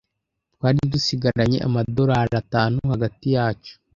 Twari dusigaranye amadorari atanu hagati yacu.